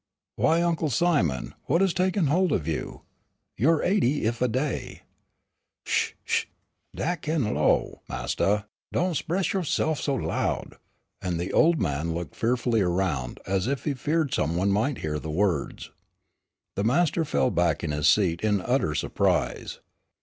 Why, Uncle Simon, what's taken hold of you? You're eighty if a day." "Sh sh, talk dat kin' o' low, Mastah, don' 'spress yo'se'f so loud!" and the old man looked fearfully around as if he feared some one might hear the words. The master fell back in his seat in utter surprise.